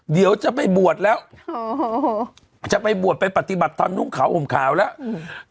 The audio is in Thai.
เดี๋ยวจะไปบวชแล้วโอ้โหจะไปบวชไปปฏิบัติธรรมนุ่งขาวห่มขาวแล้วอืม